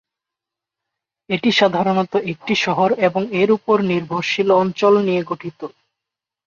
এটি সাধারণত একটি শহর এবং এর উপর নির্ভরশীল অঞ্চল নিয়ে গঠিত।